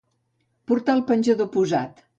Portar el penjador posat.